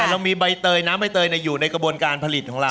เรามีใบเตยน้ำใบเตยอยู่ในกระบวนการผลิตของเรา